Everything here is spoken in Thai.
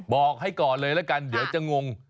บอกให้ก่อนเลยละกันเดี๋ยวจะงง